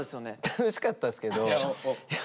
楽しかったですけどいや